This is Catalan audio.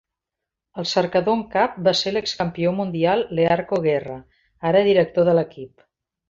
El cercador en cap va ser l'excampió mundial Learco Guerra, ara director de l'equip.